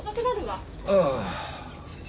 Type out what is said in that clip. ああ。